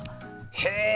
へえ！